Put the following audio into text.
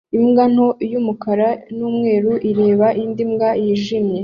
Imbwa nto y'umukara n'umweru ireba indi mbwa yijimye